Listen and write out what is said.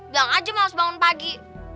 bilang aja mau harus bangun pagi